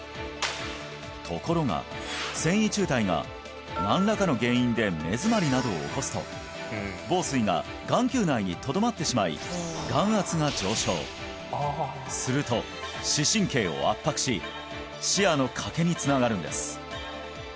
ところが線維柱帯が何らかの原因で根詰まりなどを起こすと房水が眼球内にとどまってしまい眼圧が上昇すると視神経を圧迫し視野の欠けにつながるんです